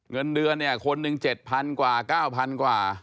เงินเดือนเนี่ยคนหนึ่ง๗๐๐กว่า๙๐๐กว่า